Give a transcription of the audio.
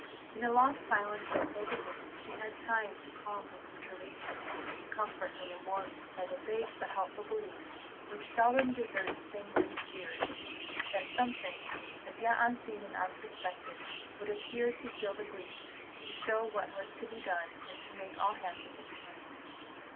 In the long silence that filled the room she had time to calm her perturbation and comfort her remorse by the vague but helpful belief which seldom deserts sanguine spirits, that something, as yet unseen and unsuspected, would appear to heal the breach, to show what was to be done, and to make all happy in the end.